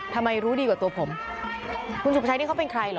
รู้ดีกว่าตัวผมคุณสุภาชัยนี่เขาเป็นใครเหรอ